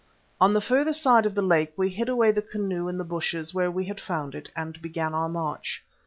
On the further side of the lake we hid away the canoe in the bushes where we had found it, and began our march.